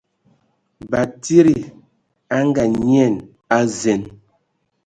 Batsidi a Ngaanyian a zen.